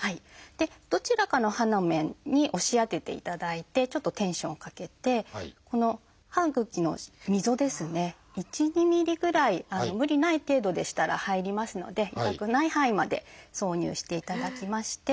どちらかの歯の面に押し当てていただいてちょっとテンションをかけてこの歯ぐきの溝１２ｍｍぐらい無理ない程度でしたら入りますので痛くない範囲まで挿入していただきまして。